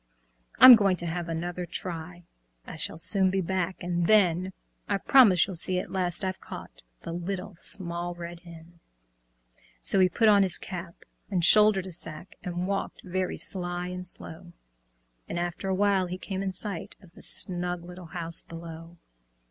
"I'm going to have another try, I shall soon be back, and then I promise you'll see at last I've caught The Little Small Red Hen." So he put on his cap and shouldered a sack, And walked very sly and slow; And after a while he came in sight Of the snug little house below.